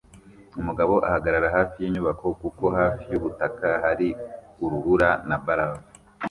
Umugabo ahagarara hafi yinyubako kuko hafi yubutaka hari urubura na barafu